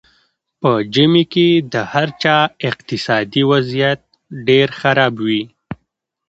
په ژمي کې د هر چا اقتصادي وضیعت ډېر خراب وي.